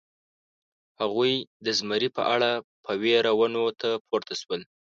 هغوی د زمري په اړه په وېره ونو ته پورته شول.